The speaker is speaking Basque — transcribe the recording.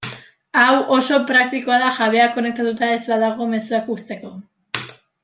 Hau oso praktikoa da jabea konektatuta ez badago mezuak uzteko.